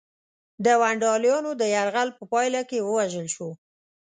د ونډالیانو د یرغل په پایله کې ووژل شو.